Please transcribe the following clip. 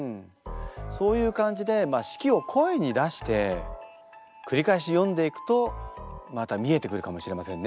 そういう感じで式を声に出して繰り返し読んでいくとまた見えてくるかもしれませんね。